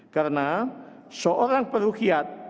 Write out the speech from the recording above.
karena seorang perhukyat